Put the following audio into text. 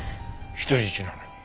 人質なのに。